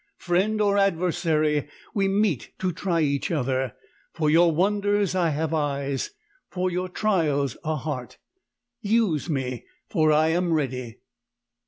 Friend or adversary, we meet to try each other: for your wonders I have eyes, for your trials a heart. Use me, for I am ready!"